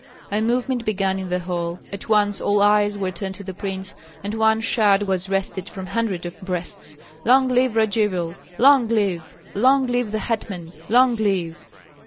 A movement began in the hall; at once all eyes were turned to the prince, and one shout was wrested from hundreds of breasts: "Long live Radzivill! long live! Long live the hetman! long live!"